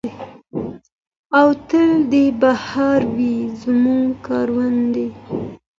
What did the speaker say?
او تل دې بہار وي زموږ کروندې.